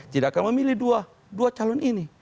tidak akan memilih dua calon ini